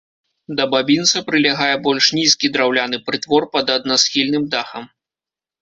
Да бабінца прылягае больш нізкі драўляны прытвор пад аднасхільным дахам.